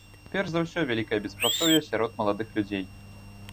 Перш за ўсё, вялікае беспрацоўе сярод маладых людзей.